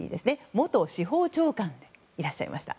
元司法長官でいらっしゃいました。